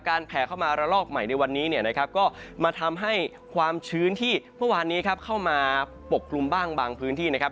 แผ่เข้ามาระลอกใหม่ในวันนี้เนี่ยนะครับก็มาทำให้ความชื้นที่เมื่อวานนี้ครับเข้ามาปกคลุมบ้างบางพื้นที่นะครับ